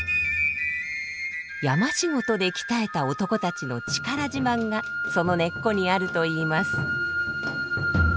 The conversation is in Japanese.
山仕事で鍛えた男たちの力自慢がその根っこにあるといいます。